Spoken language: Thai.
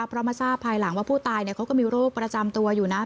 เพราะมาทราบภายหลังว่าผู้ตายเขาก็มีโรคประจำตัวอยู่นะ